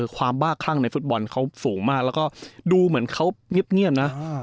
บ้าคลั่งในฟุตบอลเขาสูงมากแล้วก็ดูเหมือนเขาเงียบนะ